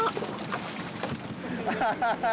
アハハハ！